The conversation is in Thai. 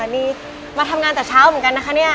นี่มาทำงานแต่เช้าเหมือนกันนะคะเนี่ย